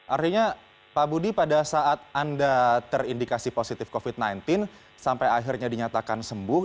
artinya pak budi pada saat anda terindikasi positif covid sembilan belas sampai akhirnya dinyatakan sembuh